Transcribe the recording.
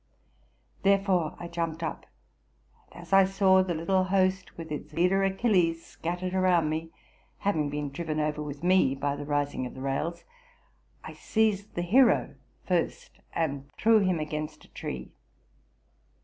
Therefore I jumped up; and as I saw the little host with its leader Achilles scattered around me, having been driven over with me by the rising of the rails, I seized the hero first, and threw him against a tree.